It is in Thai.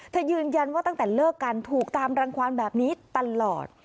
ยืนยันว่าตั้งแต่เลิกกันถูกตามรังความแบบนี้ตลอด